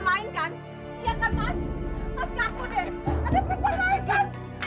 ini pasti karena perempuan lain kan